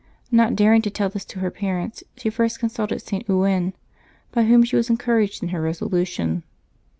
Not daring to tell this to her parents, she first consulted St. Ouen, by whom she was encouraged in her resolution.